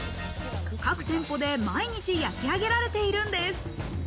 各店舗で毎日焼き上げられているんです。